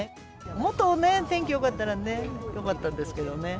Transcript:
もっとね、天気よかったらね、よかったんですけどね。